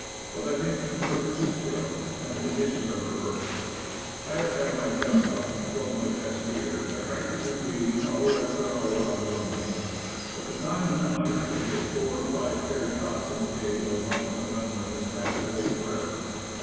But let him keep perfectly quiet and the conditions are reversed. I have had my best luck, and killed my best deer, by patiently waiting hour after hour on runways. But the time when a hunter could get four or five fair shots in a day by watching a runway has passed away forever.